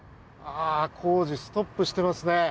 工事、ストップしてますね。